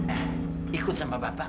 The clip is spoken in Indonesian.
eh ikut sama bapak